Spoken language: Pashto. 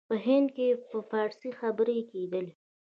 په هند کې په فارسي خبري کېدلې.